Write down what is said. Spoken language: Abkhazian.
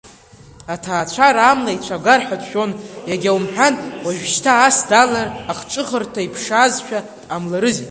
Аҭаацәара амла ицәагар ҳәа дшәон иагьа умҳәан, уажәшьҭа ас даалар ахҿыхырҭа иԥшаазшәа дҟамларызи.